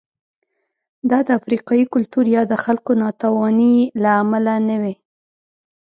دا د افریقايي کلتور یا د خلکو ناتوانۍ له امله نه وې.